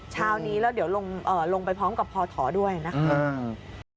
เช้านี้แล้วเดี๋ยวลงลงไปพร้อมกับพอถอด้วยนะครับ